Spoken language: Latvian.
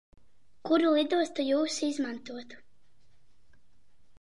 Kuru lidostu Jūs izmantotu?